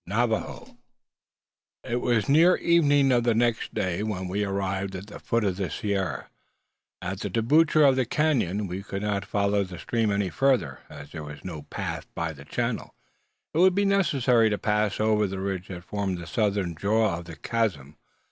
NAVAJOA. It was near evening of the next day when we arrived at the foot of the sierra, at the debouchure of the canon. We could not follow the stream any farther, as there was no path by the channel. It would be necessary to pass over the ridge that formed the southern jaw of the chasm.